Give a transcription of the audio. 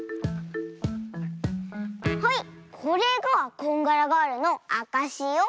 はいこれがこんがらガールのあかしよ！